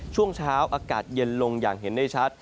ช่วงเช้าอากาศเย็นลงอย่างเห็นได้ชัด